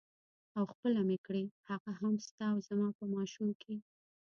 او خپله مې کړې هغه هم ستا او زما په ماشوم کې.